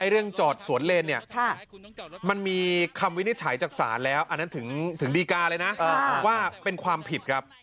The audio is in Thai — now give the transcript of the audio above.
เรื่องจอดสวนเลนเนี่ยมันมีคำวินิจฉัยจากศาลแล้วอันนั้นถึงดีการเลยนะว่าเป็นความผิดครับ